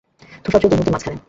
ধূসর চুল, দুই মূর্তির মাঝখানে।